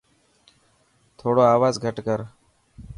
ٿوڙو آواز گهٽ ڪر.